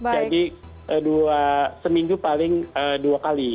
jadi seminggu paling dua kali